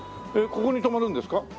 えっここに泊まるんですか？